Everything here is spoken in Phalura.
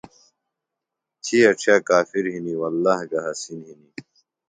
تھی اڇِھیہ کافر ہِنیۡ وللّٰہ گہ حسِین ہِنیۡ۔